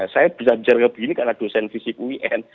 saya bisa bicara begini karena dosen fisik uin